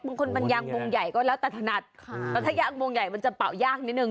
บางคนมันยางวงใหญ่ก็แล้วแต่ถนัดค่ะแล้วถ้ายางวงใหญ่มันจะเป่ายากนิดนึ